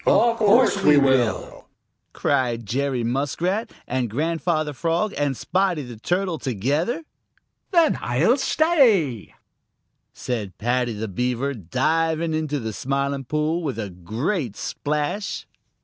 "Of course we will!" cried Jerry Muskrat and Grandfather Frog and Spotty the Turtle together. "Then I'll stay," said Paddy the Beaver, diving into the Smiling Pool with a great splash.